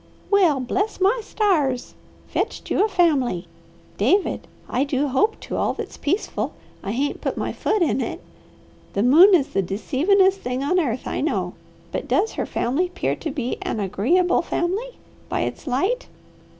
"Well bless my stars! Fetched you a family! David, I do hope to all that's peaceful I hain't put my foot in it. The moon is the deceivingest thing on earth I know, but does her family 'pear to be an a gre' able family, by its light?"